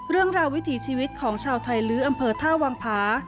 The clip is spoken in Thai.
เรื่องราววิถีชีวิตของชาวไทยลื้อำเภอท่าวังพา